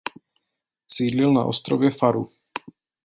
Sídlil na ostrově Faru.